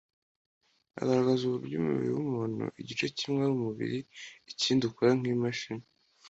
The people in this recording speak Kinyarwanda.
agaragaza uburyo umubiri w’umuntu igice kimwe ari umubiri ikindi ukora nk’imashini